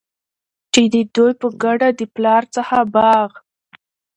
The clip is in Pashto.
چي د دوي په ګډه د پلار څخه باغ